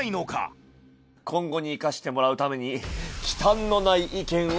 今後に生かしてもらうために。